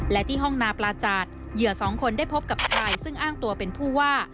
และที่ห้องนาปลาจาดเหยื่อสองคนได้พบกับชายซึ่งอ้างตัวเป็นผู้ว่า